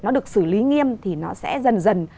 nó được xử lý nghiêm thì nó sẽ dần dần